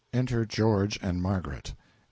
Enter GEORGE and MARGARET. A.